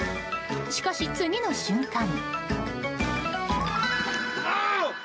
しかし、次の瞬間。